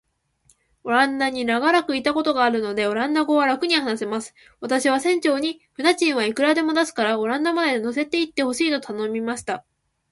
オランダに長らくいたことがあるので、オランダ語はらくに話せます。私は船長に、船賃はいくらでも出すから、オランダまで乗せて行ってほしいと頼みました。